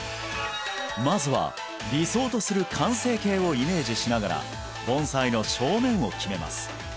まずは理想とする完成形をイメージしながら盆栽の正面を決めます